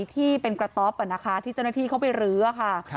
ที่เป็นกระต๊อบที่เจ้าหน้าที่เขาไปรื้อค่ะ